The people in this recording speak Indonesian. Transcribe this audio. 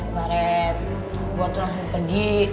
kemaren gua tuh langsung pergi